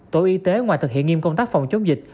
tổ y tế ngoài thực hiện nghiêm công tác phòng chống dịch